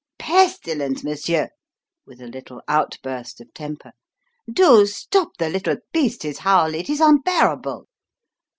Pestilence, monsieur," with a little outburst of temper, "do stop the little beast his howl. It is unbearable!